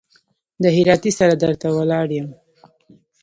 د هراتۍ سره در ته ولاړ يم.